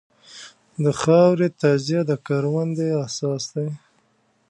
د خاورې تجزیه د کروندې اساس دی.